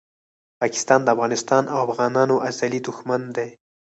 پاکستان دافغانستان او افغانانو ازلي دښمن ده